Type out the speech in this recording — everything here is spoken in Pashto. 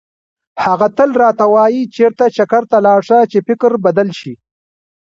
هغه تل راته وایي چېرته چکر ته لاړ شه چې فکر بدل شي.